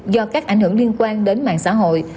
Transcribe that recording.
do các ảnh hưởng liên quan đến mạng xã hội